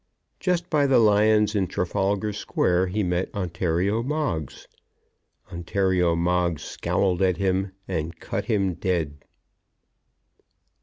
Just by the lions in Trafalgar Square he met Ontario Moggs. Ontario Moggs scowled at him, and cut him dead.